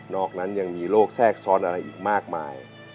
อกนั้นยังมีโรคแทรกซ้อนอะไรอีกมากมาย